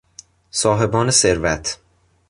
صاحبان ثروت